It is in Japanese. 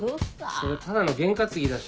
それただの験担ぎだし。